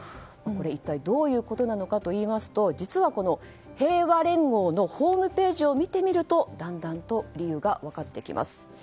一体どういうことなのかというと実は、平和連合のホームページを見てみるとだんだんと理由が分かってきます。